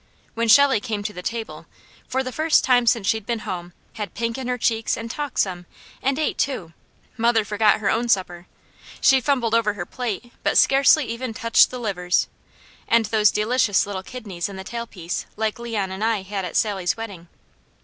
When Shelley came to the table, for the first time since she'd been home, had pink in her cheeks, and talked some, and ate too, mother forgot her own supper. She fumbled over her plate, but scarcely touched even the livers, and those delicious little kidneys in the tailpiece like Leon and I had at Sally's wedding.